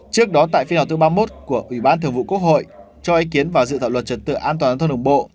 trước đó tại phiên họp thứ ba mươi một của ủy ban thường vụ quốc hội cho ý kiến vào dự thảo luật trật tự an toàn thông đồng bộ